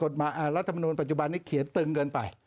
รัฐมนุมปัจจุบันนี้เขียนตึงเกินไป